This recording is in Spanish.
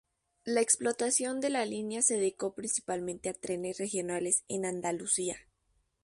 La explotación de la línea se dedicó principalmente a trenes regionales en Andalucía.